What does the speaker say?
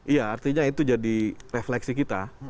iya artinya itu jadi refleksi kita